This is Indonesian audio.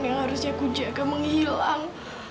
yang harusnya aku jaga menghilang